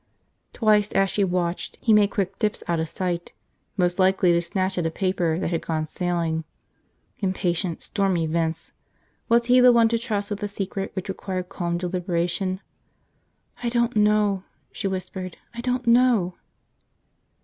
Twice as she watched he made quick dips out of sight, most likely to snatch at a paper that had gone sailing. Impatient, stormy Vince. Was he the one to trust with a secret which required calm deliberation? "I don't know!" she whispered. "I don't know!"